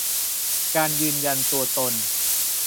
การยืนยันตัวตน